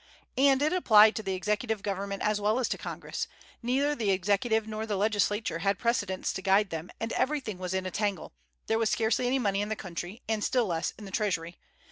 And it applied to the executive government as well as to Congress. Neither the Executive nor the Legislature had precedents to guide them, and everything was in a tangle; there was scarcely any money in the country, and still less in the treasury.